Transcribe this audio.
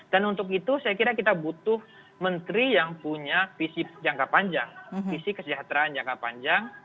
untuk itu saya kira kita butuh menteri yang punya visi jangka panjang visi kesejahteraan jangka panjang